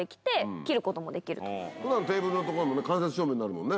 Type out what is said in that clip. テーブルのところの間接照明になるもんね。